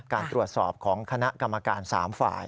การตรวจสอบของคณะกรรมการ๓ฝ่าย